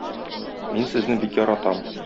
Мин сезне бик яратам.